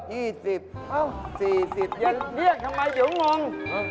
๔๐ยังเรียกทำไมเดี๋ยวหงง